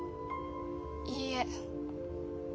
いいえ。